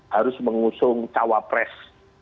harus mengusung cawapres